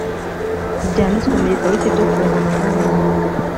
ntibyanditswe mu gitabo cy ibyo ku ngoma z abami